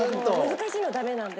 難しいのダメなんで。